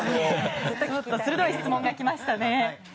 鋭い質問が来ましたね。